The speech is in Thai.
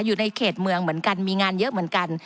อยู่ในเขตเมืองเหมือนกันมีงานเยอะเหมือนกัน